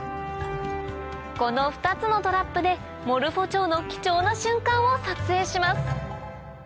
この２つのトラップでモルフォチョウの貴重な瞬間を撮影します